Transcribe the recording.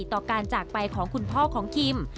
ต่อการจากไปของคุณพ่อของคิม